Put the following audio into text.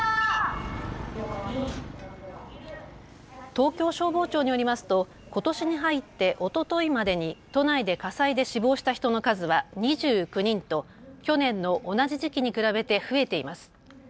東京消防庁によりますとことしに入っておとといまでに都内で火災で死亡した人の数は２９人と去年の同じ時期に比べて増えています。